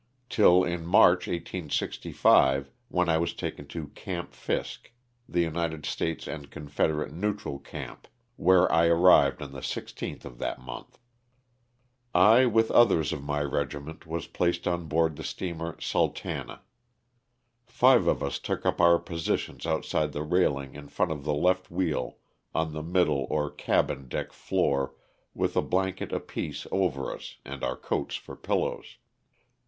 till in March, 1865, when I was taken to "Camp Fiske," the United States and Confederate neutral camp where I arrived on the 16th of that month. I, with others of my regiment, was placed on board the steamer " Sultana." Five of us took up our posi tion outside the railing in front of the left wheel on the middle or cabin deck floor, with a blanket apiece over us and our coats for pillows.